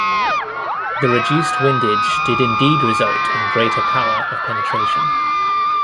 The reduced windage did indeed result in greater power of penetration.